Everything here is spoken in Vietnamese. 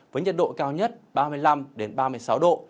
với nhiệt độ cao nhất ba mươi năm ba mươi sáu độ